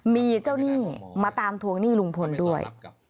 มีเจ้าหนี้มาตามทวงหนี้ลุงพลด้วย